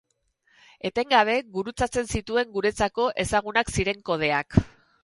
Etengabe gurutzatzen zituen guretzako ezagunak ziren kodeak.